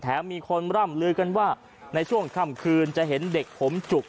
มีคนร่ำลือกันว่าในช่วงค่ำคืนจะเห็นเด็กผมจุก